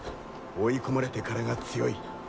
追い込まれてからが強い。